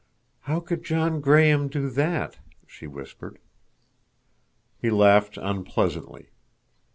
"How could John Graham—do that?" she whispered. He laughed unpleasantly.